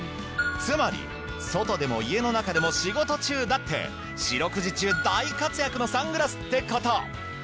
つまり外でも家の中でも仕事中だって四六時中大活躍のサングラスってこと！